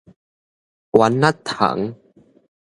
丸仔蟲